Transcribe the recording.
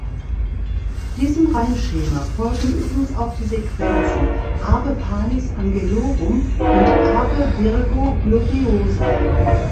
Diesem Reimschema folgen übrigens auch die Sequenzen "Ave panis angelorum" und "Ave virgo gloriosa".